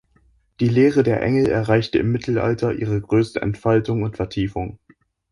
Die Lehre der Engel erreichte im Mittelalter ihre größte Entfaltung und Vertiefung.